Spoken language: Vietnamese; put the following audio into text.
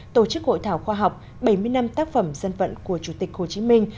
tổ chức hội thảo khoa học bảy mươi năm tác phẩm dân vận của chủ tịch hồ chí minh